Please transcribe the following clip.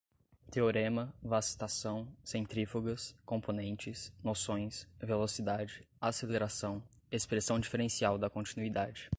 teorema, vacitação, centrífugas, componentes, noções, velocidade, aceleração, expressão diferencial da continuidade